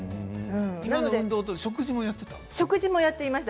今の運動と食事もやっていた？